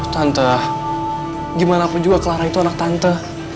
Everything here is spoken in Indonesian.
tante gimana pun juga clara itu anak tante